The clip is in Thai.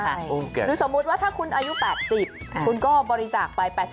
สมมุติว่าถ้าคุณอายุ๘๐คุณก็บริจาคไป๘๐